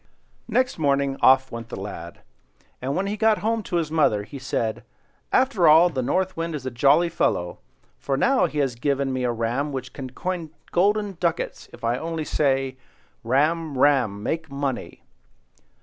Next morning off went the lad; and when he got home to his mother, he said—"After all, the North Wind is a jolly fellow; for now he has given me a ram which can coin golden ducats if I only say, 'Ram, ram! Make money!